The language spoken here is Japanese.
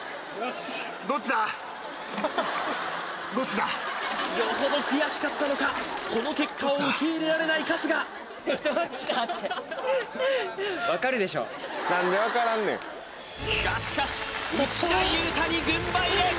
しっよほど悔しかったのかこの結果を受け入れられない春日どっちだってがしかし内田裕大に軍配です